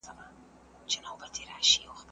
د قصاص قانون عدالت تامينوي.